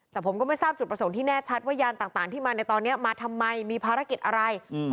แต่ผมก็ไม่ทราบจุดประสงค์ที่แน่ชัดว่ายานต่างที่มาในตอนนี้มาทำไมมีภารกิจอะไร